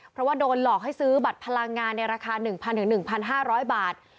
เพราะว่าโดนหลอกให้ซื้อบัตรพลังงานในราคาหนึ่งพันหนึ่งหนึ่งพันห้าร้อยบาท